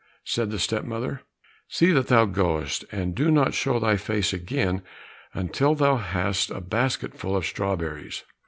said the stepmother, "See that thou goest, and do not show thy face again until thou hast the basketful of strawberries!"